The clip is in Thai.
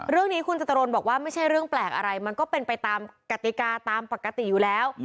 เรื่องนี้คุณจตุรนบอกว่าไม่ใช่เรื่องแปลกอะไรมันก็เป็นไปตามกติกาตามปกติอยู่แล้ว